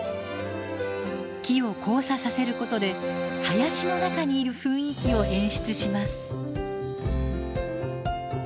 木を交差させることで林の中にいる雰囲気を演出します。